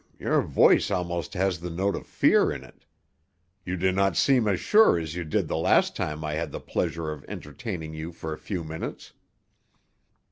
"Um! Your voice almost has the note of fear in it. You do not seem as sure as you did the last time I had the pleasure of entertaining you for a few minutes."